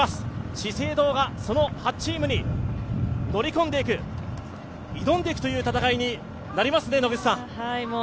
資生堂がその８チームに乗り込んでいく、挑んでいくという戦いになりますね、野口さん。